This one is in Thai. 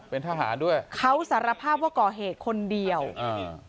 เป็นทหารด้วยเขาสารภาพว่าก่อเหตุคนเดียวอ่า